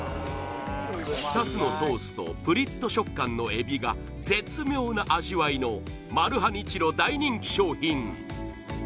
２つのソースとぷりっと食感のエビが絶妙な味わいのマルハニチロ大人気商品